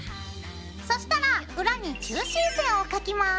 そしたら裏に中心線を描きます。